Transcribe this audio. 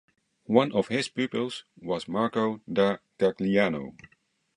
One of his pupils was Marco da Gagliano.